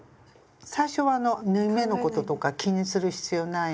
最初は縫い目のこととか気にする必要ないので。